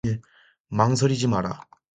망설이지 마라.